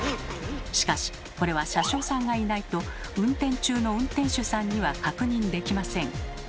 しかしこれは車掌さんがいないと運転中の運転手さんには確認できません。